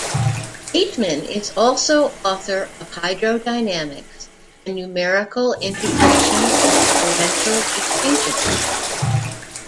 Bateman is also author of "Hydrodynamics" and "Numerical integration of differential equations".